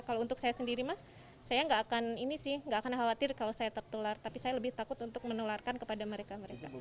kalau untuk saya sendiri saya nggak akan khawatir kalau saya tertular tapi saya lebih takut untuk menularkan kepada mereka